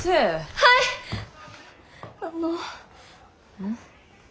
うん？